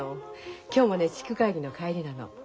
今日もね地区会議の帰りなの。